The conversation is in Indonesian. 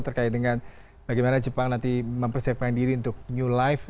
terkait dengan bagaimana jepang nanti mempersiapkan diri untuk new life